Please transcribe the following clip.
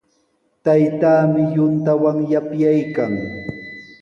Taytaami yuntawan yapyaykan.